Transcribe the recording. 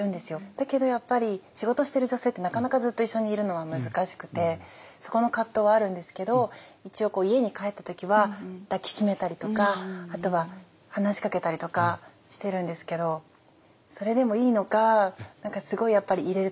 だけどやっぱり仕事してる女性ってなかなかずっと一緒にいるのは難しくてそこの葛藤はあるんですけど一応家に帰った時は抱き締めたりとかあとは話しかけたりとかしてるんですけどそれでもいいのか何かすごいやっぱり入れる時は迷いました。